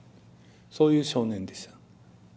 そういう少年でした。